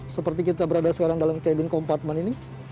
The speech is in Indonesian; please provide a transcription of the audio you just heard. seperti kita berada sekarang dalam kabin kompatmen ini